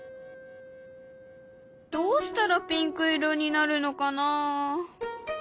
どうしたらピンク色になるのかな。